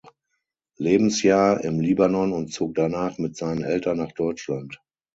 Lebensjahr im Libanon und zog danach mit seinen Eltern nach Deutschland.